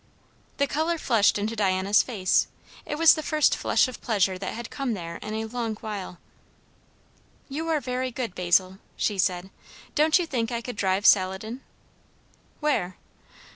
The colour flushed into Diana's face; it was the first flush of pleasure that had come there in a long while. "You are very good, Basil!" she said. "Don't you think I could drive Saladin?" "Where?"